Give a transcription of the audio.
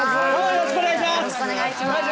よろしくお願いします。